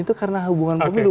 itu karena hubungan pemilu